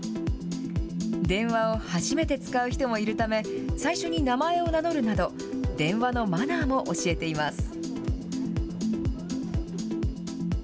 電話を初めて使う人もいるため、最初に名前を名乗るなど、電話のマナーも教えています。